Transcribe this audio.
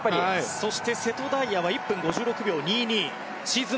そして瀬戸大也は１分５６秒２２。